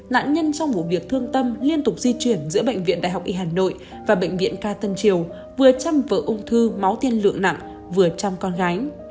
nạn nhân trong vụ việc thương tâm liên tục di chuyển giữa bệnh viện đại học y hà nội và bệnh viện ca tân triều vừa chăm vừa ung thư máu tiên lượng nặng vừa chăm con gái